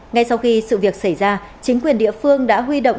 ngay sau khi sự việc xảy ra chính quyền địa phương đã huy động